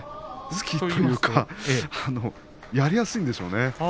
好きというかやりやすいんでしょうね。